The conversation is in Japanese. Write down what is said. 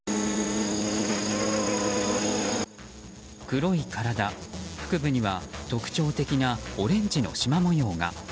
黒い体、腹部には特徴的なオレンジのしま模様が。